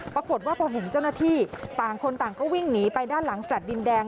ปรากฏว่าพอเห็นเจ้าหน้าที่ต่างคนต่างก็วิ่งหนีไปด้านหลังแฟลต์ดินแดง